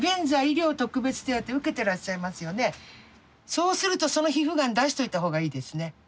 そうするとその皮膚がん出しておいたほうがいいですね。